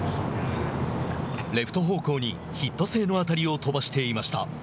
レフト方向にヒット性の当たりを飛ばしていました。